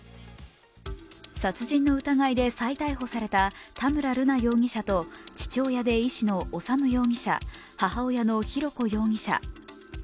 殺人の疑いで再逮捕された田村瑠奈容疑者と父親で医師の修容疑者、母親の浩子容疑者。